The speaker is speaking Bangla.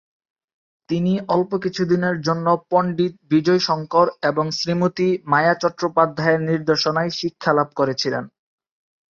তিনি অল্প কিছুদিনের জন্য পণ্ডিত বিজয় শঙ্কর এবং শ্রীমতী মায়া চট্টোপাধ্যায়ের নির্দেশনায় শিক্ষালাভ করেছিলেন।